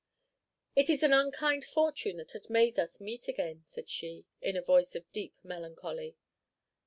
"It is an unkind fortune that has made us meet again," said she, in a voice of deep melancholy.